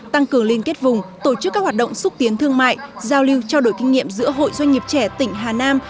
tăng cường liên kết vùng tổ chức các hoạt động xúc tiến thương mại giao lưu trao đổi kinh nghiệm giữa hội doanh nghiệp trẻ tỉnh hà nam